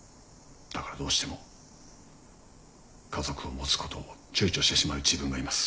だからどうしても家族を持つことをちゅうちょしてしまう自分がいます。